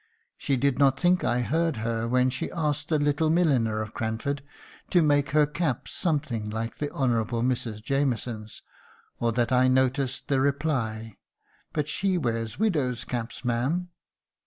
She did not think I heard her when she asked the little milliner of Cranford to make her caps something like the Honourable Mrs. Jamieson's, or that I noticed the reply: "'But she wears widows' caps, ma'am!'